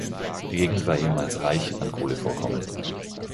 Die Gegend war ehemals reich an Kohlevorkommen.